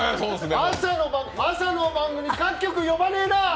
朝の番組、各局、呼ばねえな！